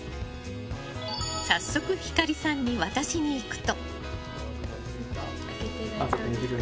早速、ひかりさんに渡しに行くと。